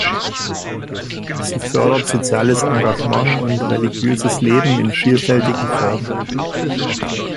Sie fördert soziales Engagement und religiöses Leben in vielfältigen Formen.